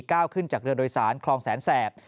ก้าวขึ้นจากเรือโดยสารคลองแสนแสบ